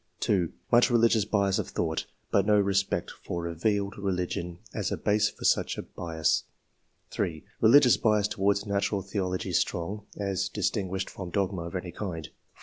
*' Much religious bias of thought, but no re spect for revealed religion as a base for such a bias." 3. " Religious bias towards natural theology strong, as distinguished from dogma of any kind." 4.